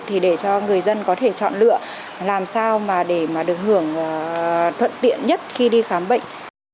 thì để cho người dân có thể chọn lựa làm sao mà để mà được hưởng thuận tiện nhất khi đi khám bệnh